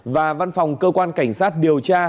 và văn phòng cơ quan cảnh sát điều tra